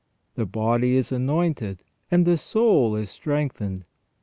The body is anointed, and the soul is strengthened.